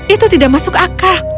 itu tidak masuk akal